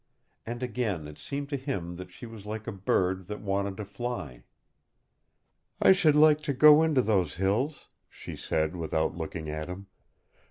And again it seemed to him that she was like a bird that wanted to fly. "I should like to go into those hills," she said, without looking at him.